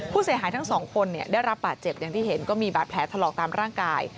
ผู้เสียหายทั้งสองคนได้รับบาดเจ็บอย่างที่เห็นก็มีบาดแผลถลอกตามร่างกาย